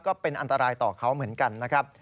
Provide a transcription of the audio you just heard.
ก็เป็นอันตรายต่อเขาเหมือนกันนะครับ